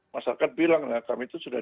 masyarakat bilang nah kami itu sudah